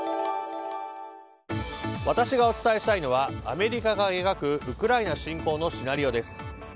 私がお伝えしたいのはアメリカが描くウクライナ侵攻のシナリオです。